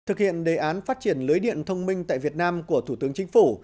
thực hiện đề án phát triển lưới điện thông minh tại việt nam của thủ tướng chính phủ